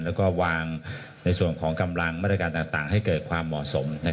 แล้วก็วางในส่วนของกำลังมาตรการต่างให้เกิดความเหมาะสม